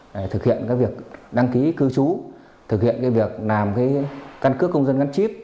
để thực hiện việc đăng ký cư trú thực hiện việc làm căn cước công dân gắn chip